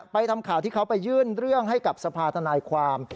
ทำข่าวที่เขาไปยื่นเรื่องให้กับสภาธนายความ